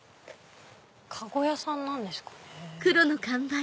籠屋さんなんですかね。